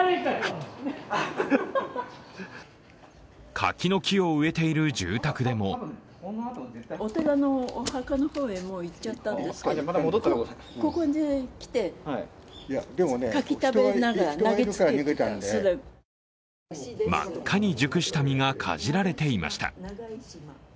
柿の木を植えている住宅でも真っ赤に熟した実がかじられていました。